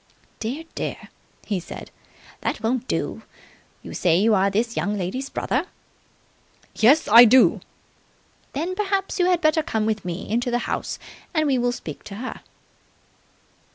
"Dear, dear!" he said. "That won't do! You say you are this young lady's brother?" "Yes, I do!" "Then perhaps you had better come with me into the house and we will speak to her."